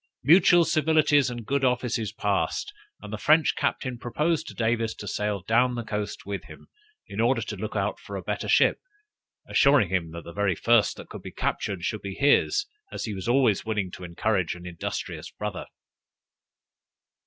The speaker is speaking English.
Mutual civilities and good offices passed, and the French captain proposed to Davis to sail down the coast with him, in order to look out for a better ship, assuring him that the very first that could be captured should be his, as he was always willing to encourage an industrious brother.